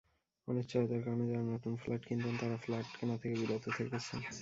অনিশ্চয়তার কারণে যারা নতুন ফ্ল্যাট কিনতেন, তাঁরা ফ্ল্যাট কেনা থেকে বিরত থেকেছেন।